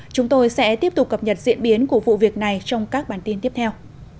chúng tôi sẽ tiếp tục cập nhật diễn biến của vụ việc này trong các bản tin tiếp theo